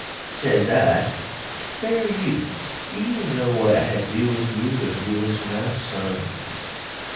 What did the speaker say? Sez I, "Fair youth, do you know what I'd do with you if you was my sun?"